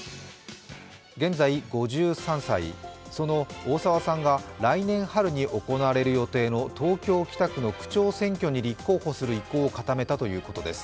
現在５３歳、その大沢さんが来年春に行われる予定の東京・北区の区長選挙に立候補する意向を固めたということです。